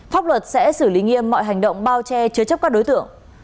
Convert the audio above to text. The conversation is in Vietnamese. pháp luật sẽ xử lý nghiêm mọi hành động bao che chứa chấp các đối tượng